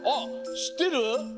しってる？